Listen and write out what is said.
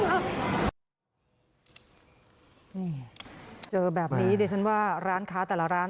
นี่เจอแบบนี้ดิฉันว่าร้านค้าแต่ละร้าน